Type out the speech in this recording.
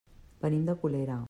Venim de Colera.